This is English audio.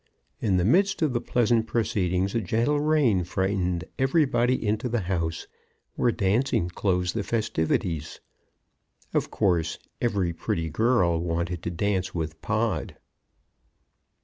In the midst of the pleasant proceedings a gentle rain frightened everybody into the house, where dancing closed the festivities. Of course, every pretty girl wanted to dance with Pod.